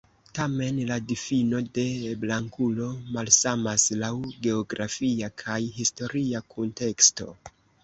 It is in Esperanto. Tamen, la difino de "blankulo" malsamas laŭ geografia kaj historia kunteksto.